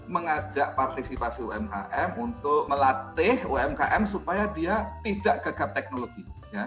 mengajak partisipasi umkm untuk melatih umkm supaya dia tidak gegap teknologi